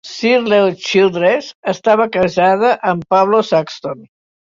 Shirley Childress estava casada amb Pablo Saxton.